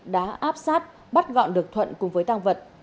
đã áp sát bắt gọn được thuận cùng với tăng vật